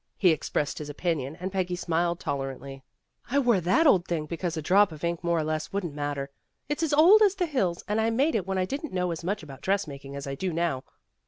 He expressed his opinion and Peggy smiled tolerantly. "I wore that old thing because a drop of ink more or less wouldn't matter. It's as old as the hills, and I made it when I didn't know as much about dress making as I do now.